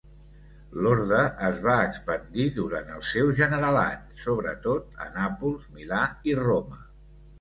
L'orde es va expandir durant el seu generalat, sobretot a Nàpols, Milà i Roma.